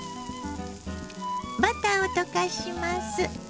バターを溶かします。